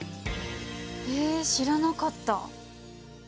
え知らなかった。